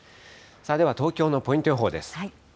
では東京のポイント予報です。